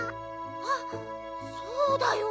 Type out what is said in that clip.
あっそうだよ。